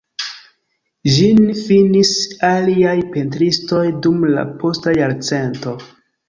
Ĝin finis aliaj pentristoj dum la posta jarcento.